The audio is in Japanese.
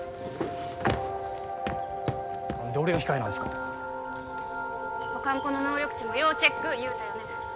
何で俺が控えなんすか他の子の能力値も要チェック言うたよね